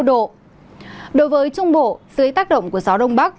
đối với trung bộ dưới tác động của gió đông bắc